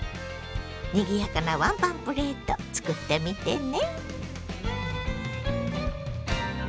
にぎやかなワンパンプレート作ってみてね。